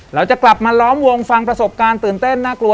เราจะกลับมาล้อมวงฟังประสบการณ์ตื่นเต้นน่ากลัว